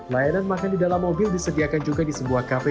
layanan makan di dalam mobil disediakan juga di sebuah kafe